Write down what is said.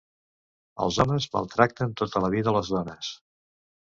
Els homes maltracten tota la vida les dones.